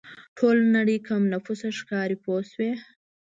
ټوله نړۍ کم نفوسه ښکاري پوه شوې!.